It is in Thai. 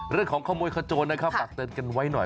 เรื่องของขโมยขโจรนะครับฝากเตือนกันไว้หน่อย